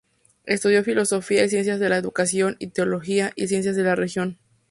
Estudió Filosofía y Ciencias de la Educación, y Teología y Ciencias de la Religión.